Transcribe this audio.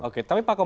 oke pak komar jawa